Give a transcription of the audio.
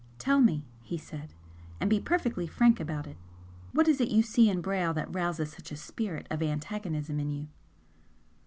"Tell me," he said, "and be perfectly frank about it what is it you see in Brayle that rouses such a spirit of antagonism in you?"